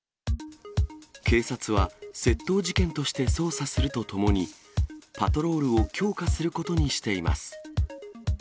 警察は窃盗事件として捜査するとともに、パトロールを強化することにしています。